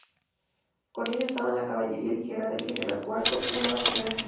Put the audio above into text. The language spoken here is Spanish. Con ellas estaban la caballería ligera del general Curto y una batería de artillería.